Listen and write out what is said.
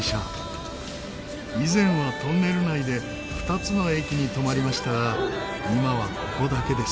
以前はトンネル内で２つの駅に止まりましたが今はここだけです。